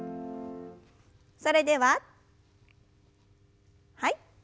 それでははい。